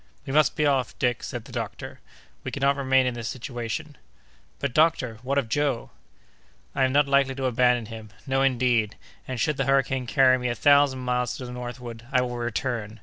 "We must be off, Dick," said the doctor; "we cannot remain in this situation." "But, doctor, what of Joe?" "I am not likely to abandon him. No, indeed! and should the hurricane carry me a thousand miles to the northward, I will return!